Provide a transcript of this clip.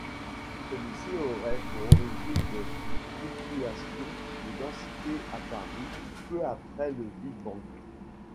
Celui-ci aurait pour origine des fluctuations de densité apparues peu après le Big Bang.